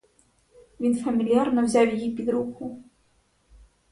Він фамільярно взяв її під руку.